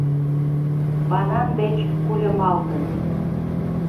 Банан деч кульымалтын!..